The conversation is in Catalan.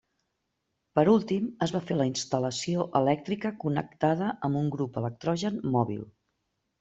Per últim es va fer la instal·lació elèctrica connectada amb un grup electrogen mòbil.